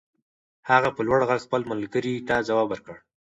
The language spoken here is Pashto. هغه په لوړ غږ خپل ملګري ته ځواب ور کړ.